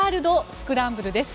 スクランブルです。